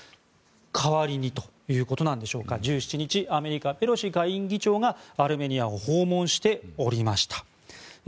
代わりにということなんでしょうか１７日、アメリカのペロシ下院議長がアルメニアを訪問しておりました。